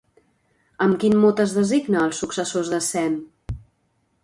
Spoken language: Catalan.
Amb quin mot es designa als successors de Sem?